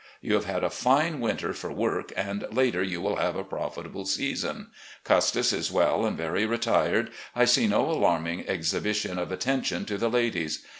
You have had a fine winter for work, and later you will have a profitable season. Custis is well and very retired; I see no alarming exhibition of attention to the ladies.